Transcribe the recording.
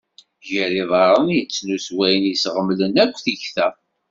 Gar yiḍarren i yettnus wayen i yesɣemlen akk tikta.